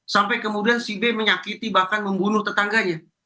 sampai kemudian si b menyakiti bahkan membunuh tetangganya